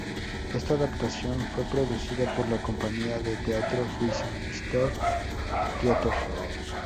Esta adaptación fue producida por la compañía de teatro suiza "Stern-Theater.